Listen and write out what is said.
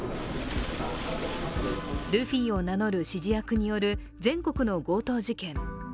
ルフィを名乗る指示役による全国の強盗事件。